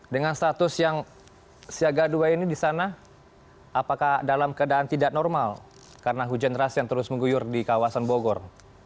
dengan status yang siaga dua ini di sana apakah dalam keadaan tidak normal karena hujan deras yang terus mengguyur di kawasan bogor